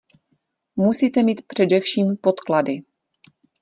Musíte mít především podklady.